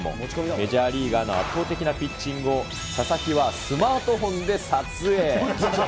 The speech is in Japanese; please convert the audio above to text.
メジャーリーガーの圧倒的なピッチングを、佐々木はスマートフォンで撮影。